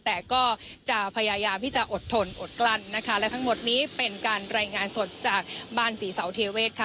แต่ก็จะพยายามที่จะอดทนอดกลั้นนะคะและทั้งหมดนี้เป็นการรายงานสดจากบ้านศรีเสาเทเวศค่ะ